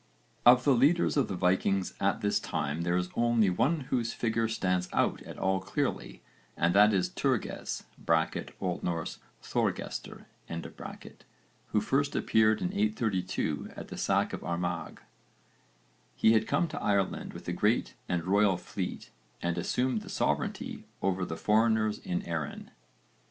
Of the leaders of the Vikings at this time there is only one whose figure stands out at all clearly, and that is Turges (O.N. Ðorgestr) who first appeared in 832 at the sack of Armagh. He had come to Ireland with a great and royal fleet and 'assumed the sovereignty over the foreigners in Erin.'